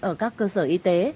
ở các cơ sở y tế